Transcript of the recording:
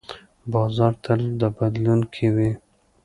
بازار تل په بدلون کې وي.